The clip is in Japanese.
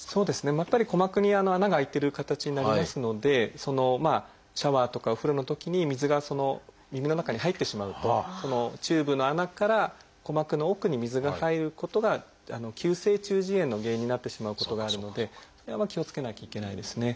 やっぱり鼓膜に穴が開いてる形になりますのでシャワーとかお風呂のときに水が耳の中に入ってしまうとチューブの穴から鼓膜の奥に水が入ることが急性中耳炎の原因になってしまうことがあるのでそれは気をつけなきゃいけないですね。